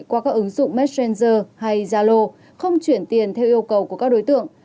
qua các ứng dụng messenger hay zalo không chuyển tiền theo yêu cầu của các đối tượng